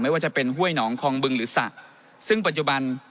ว่าจะเป็นห้วยหนองคองบึงหรือสระซึ่งปัจจุบัน